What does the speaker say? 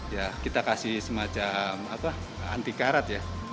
ya kita kasih semacam anti karat ya